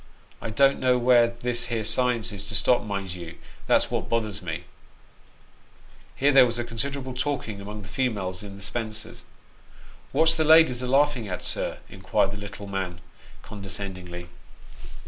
I don't know where this here science is to stop, mind you ; that's what bothers me." 96 Sketches by Box. Here there was a considerable talking among the females in the spencers. "What's the ladies a laughing at, sir?" inquired the little man, condescendingly.